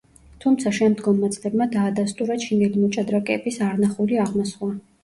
თუმცა შემდგომმა წლებმა დაადასტურა ჩინელი მოჭადრაკეების არნახული აღმასვლა.